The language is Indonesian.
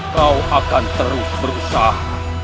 kau akan terus berusaha